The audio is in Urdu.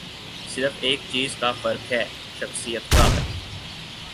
صرف ایک چیز کا فرق ہے، شخصیت کا۔